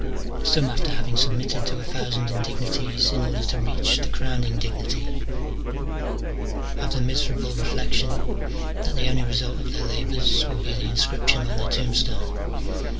some after having snbmitted to a thousand indignities in order to reach the crowning dignity, have the miserable reflexion that the only result of their labours will be the inscription on their tombstone.